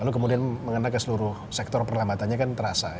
lalu kemudian mengenai ke seluruh sektor perlambatannya kan terasa